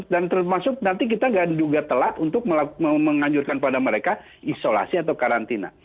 dan termasuk nanti kita juga telat untuk menganjurkan pada mereka isolasi atau karantina